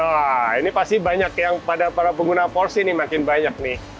wah ini pasti banyak yang pada para pengguna porsi nih makin banyak nih